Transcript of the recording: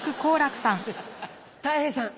たい平さん。